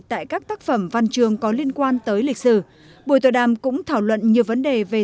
tại các tác phẩm văn trường có liên quan tới lịch sử buổi tọa đàm cũng thảo luận nhiều vấn đề về